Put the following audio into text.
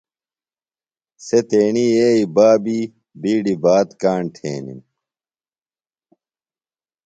سےۡ تیݨی یئی بابی بِیڈیۡ بات کاݨ تھینِم۔